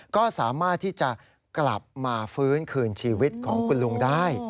ก็สามารถที่จะกลับมาฟื้นคืนชีวิตของคุณลุงได้